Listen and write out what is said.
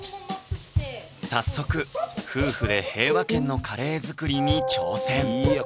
早速夫婦で平和軒のカレー作りに挑戦いや